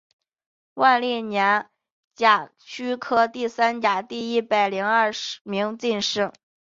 万历二年甲戌科第三甲第一百零二名进士。